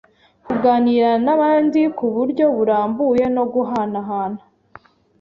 kuganira n’abandi ku buryo burambuye no guhanahana